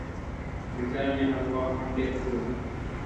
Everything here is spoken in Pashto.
د ګرمې هلوا خوند ډېر ښه و.